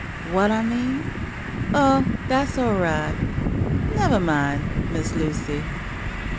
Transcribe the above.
What I mean? oh, dat's all right, Nevah min', Miss Lucy.